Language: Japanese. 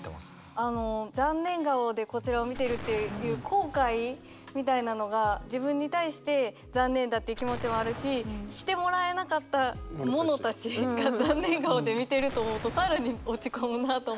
あの「残念顔でこちらを見ている」っていう後悔みたいなのが自分に対して残念だっていう気持ちもあるししてもらえなかったものたちが残念顔で見てると思うと更に落ち込むなあと思って。